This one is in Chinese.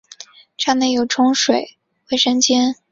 站内有冲水卫生间。